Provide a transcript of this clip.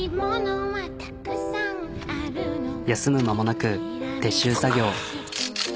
休む間もなく撤収作業。